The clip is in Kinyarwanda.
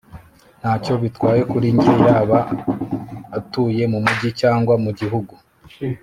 ntacyo bitwaye kuri njye yaba atuye mumujyi cyangwa mugihugu